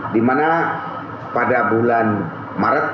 dimana pada bulan maret